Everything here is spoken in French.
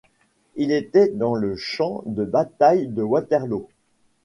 Il était dans le champ de bataille de Waterloo.